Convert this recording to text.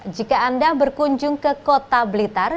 jika anda berkunjung ke kota blitar